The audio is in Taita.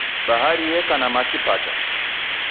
Bahari yeka na machi pacha.